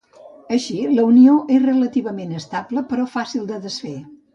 Així, la unió és relativament estable però fàcil de desfer.